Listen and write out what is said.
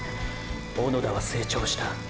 小野田は成長した。